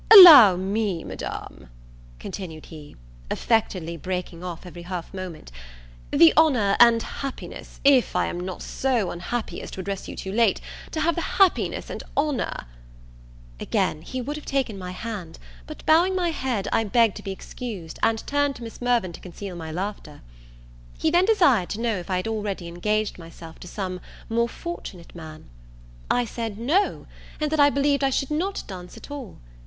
"Allow me, Madam," continued he, affectedly breaking off every half moment, "the honour and happiness if I am not so unhappy as to address you too late to have the happiness and honour " Again he would have taken my hand; but bowing my head, I begged to be excused, and turned to Miss Mirvan to conceal my laughter. He then desired to know if I had already engaged myself to some more fortunate man? I said No, and that I believed I should not dance at all.